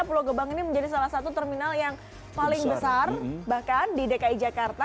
pulau gebang ini menjadi salah satu terminal yang paling besar bahkan di dki jakarta